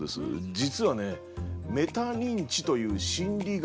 実はね「メタ認知」という心理学